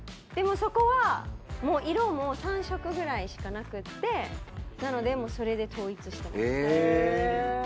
でもそこは色も３色ぐらいしかなくってなのでそれで統一してます。